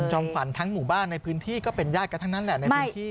ขวัญทั้งหมู่บ้านในพื้นที่ก็เป็นญาติกันทั้งนั้นแหละในพื้นที่